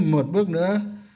một bước nữa